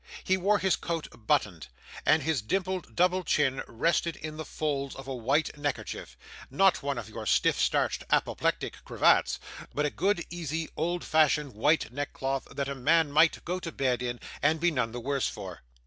He wore his coat buttoned; and his dimpled double chin rested in the folds of a white neckerchief not one of your stiff starched apoplectic cravats, but a good, easy, old fashioned white neckcloth that a man might go to bed in and be none the worse for.